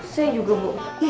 saya juga bu